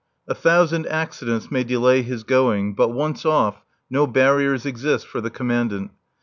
A thousand accidents may delay his going, but once off, no barriers exist for the Commandant.